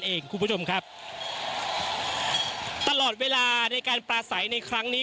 นั่นเองคุณผู้ชมครับตลอดเวลาในการปราศัยในครั้งนี้